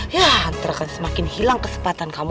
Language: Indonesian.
ya antara kan semakin hilang kesempatan kamu